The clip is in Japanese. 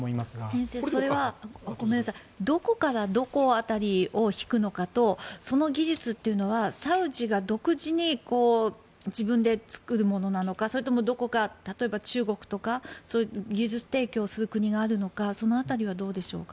先生、それはどこからどこ辺りを引くのかとその技術というのはサウジが独自に自分で作るものなのかそれともどこか、例えば中国とか技術提供する国があるのかその辺りはどうでしょうか？